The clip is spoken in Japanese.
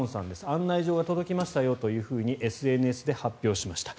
案内状が届きましたよとＳＮＳで発表しました。